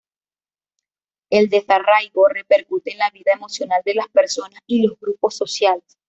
El desarraigo repercute en la vida emocional de las personas y los grupos sociales.